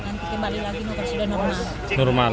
nanti kembali lagi dokter sudah normal